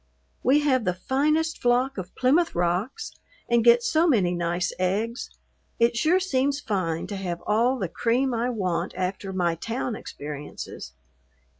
We have the finest flock of Plymouth Rocks and get so many nice eggs. It sure seems fine to have all the cream I want after my town experiences.